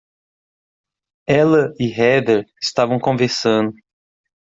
Ela e Heather estavam conversando.